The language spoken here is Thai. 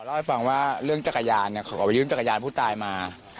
เล่าให้ฟังว่าเรื่องจักรยานเนี่ยเขาก็ไปยื่นจักรยานผู้ตายมา